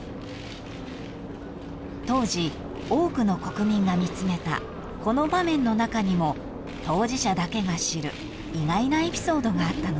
［当時多くの国民が見つめたこの場面の中にも当事者だけが知る意外なエピソードがあったのです］